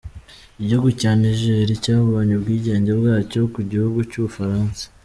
Igihugu cya Niger cyabonye ubwigenge bwacyo ku gihugu cy’u Bufaransa.